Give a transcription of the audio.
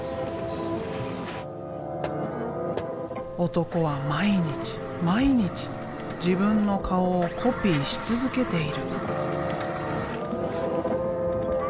男は毎日毎日自分の顔をコピーし続けている。